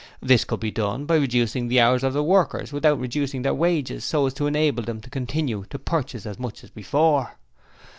This could be done by reducing the hours of the workers without reducing their wages so as to enable them to continue to purchase as much as before.